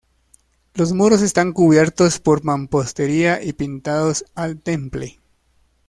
Los muros están cubiertos por mampostería y pintados al temple.